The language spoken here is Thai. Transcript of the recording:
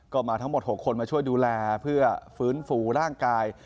ก็มาทั้งหมด๖คนมาช่วยดูแลเพื่อฟื้นฟูร่างกาย